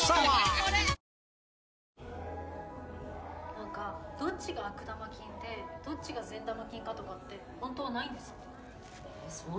何かどっちが悪玉菌でどっちが善玉菌かとかってほんとはないんですって。